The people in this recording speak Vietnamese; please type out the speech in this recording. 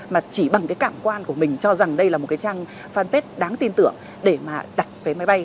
mà chỉ bằng cái cảm quan của mình cho rằng đây là một cái trang fanpage đáng tin tưởng để mà đặt vé máy bay